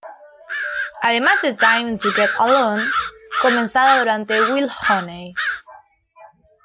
Además de "Time To Get Alone" comenzada durante "Wild Honey".